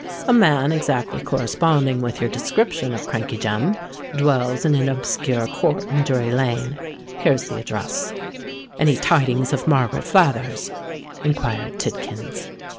"A man exactly corresponding with your description of Crankey Jem dwells in an obscure court in Drury Lane. Here is the address." "Any tidings of Margaret Flathers?" inquired Tidkins.